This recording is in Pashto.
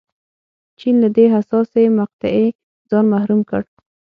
چین له دې حساسې مقطعې ځان محروم کړ.